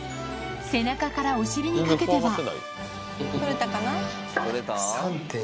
背中からお尻にかけては取れたかな？